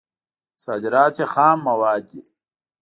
صادرات یې خام مواد دي.